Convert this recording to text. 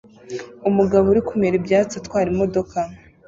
Umugabo uri kumera ibyatsi atwara imodoka